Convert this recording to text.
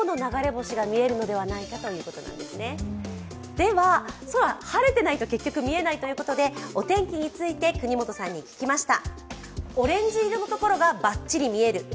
では、晴れてないと結局見えないということでお天気について、國本さんに聞きました。